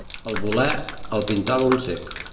El voler, el pintava un cec.